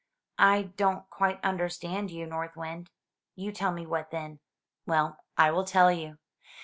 "I don't quite understand you. North Wind. You tell me what then." 427 M Y BOOK HOUSE "Well, I will tell you.